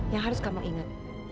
yang harus kamu ingat